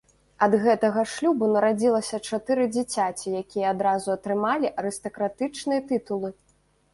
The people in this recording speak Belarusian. Ад гэтага шлюбу нарадзілася чатыры дзіцяці, якія адразу атрымалі арыстакратычныя тытулы.